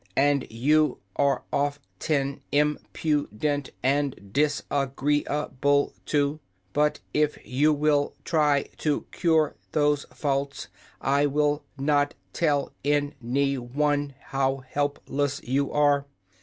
And you are of ten im pu dent and dis a gree a ble, too. But if you will try to cure those faults I will not tell any one how help less you are."